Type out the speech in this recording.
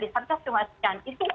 di satas di kementerian sosial pertama